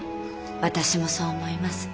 私もそう思います。